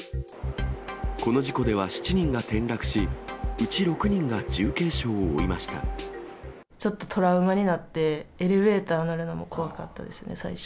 この事故では７人が転落し、ちょっとトラウマになって、エレベーター乗るのも怖かったですね、最初。